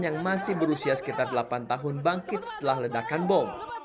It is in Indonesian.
yang masih berusia sekitar delapan tahun bangkit setelah ledakan bom